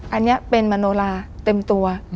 อันนี้เป็นมโนลาเต็มตัว